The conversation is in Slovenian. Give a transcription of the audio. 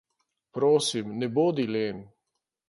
Prosim, ne bodi len.